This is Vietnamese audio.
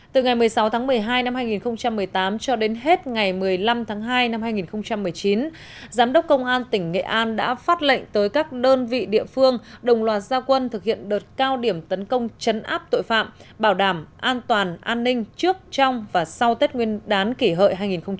từ ngày một mươi sáu tháng một mươi hai năm hai nghìn một mươi tám cho đến hết ngày một mươi năm tháng hai năm hai nghìn một mươi chín giám đốc công an tỉnh nghệ an đã phát lệnh tới các đơn vị địa phương đồng loạt gia quân thực hiện đợt cao điểm tấn công chấn áp tội phạm bảo đảm an toàn an ninh trước trong và sau tết nguyên đán kỷ hợi hai nghìn một mươi chín